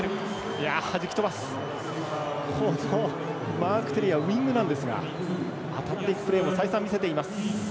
マーク・テレアウイングなんですが当たっていくプレーも再三、見せています。